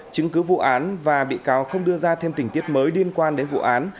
chứng cứ vụ án và bị cáo không đưa ra thêm tình tiết mới liên quan đến vụ án